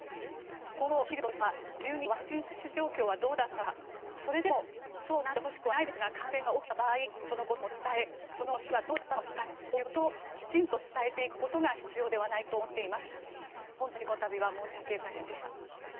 今後、できることとしては１０人のワクチン接種状況はどうだったのかそれでもそうはなってほしくはないですが感染が起きた場合そのことも伝え、その後の症状がどうだったのかも伝えそういうことをきちんと伝えていくことが必要ではないかと思っています。